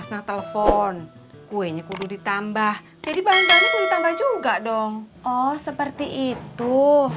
nah telepon kuenya kudu ditambah jadi bahan bahannya pun ditambah juga dong oh seperti itu